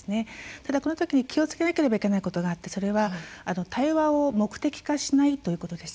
ただ、気をつけないといけないことがあって、それは対話を目的化しないことです。